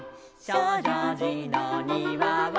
「しょうじょうじのにわは」